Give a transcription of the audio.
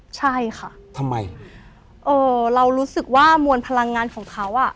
ใช่ค่ะทำไมเอ่อเรารู้สึกว่ามวลพลังงานของเขาอ่ะ